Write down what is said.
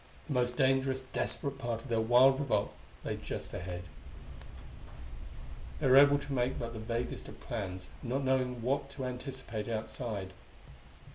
The most dangerous, desperate part of their wild revolt lay just ahead. They were able to make but the vaguest of plans, not knowing what to anticipate outside.